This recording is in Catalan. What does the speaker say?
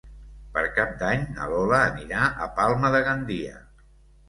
Per Cap d'Any na Lola anirà a Palma de Gandia.